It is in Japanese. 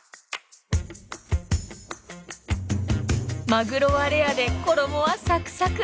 マグロはレアで衣はサクサク！